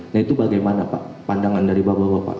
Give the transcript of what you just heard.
nah itu bagaimana pak pandangan dari bapak bapak